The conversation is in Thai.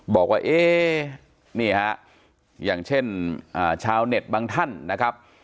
บอกว่าเอ๊นี่ฮะอย่างเช่นชาวเน็ตบางท่านนะครับ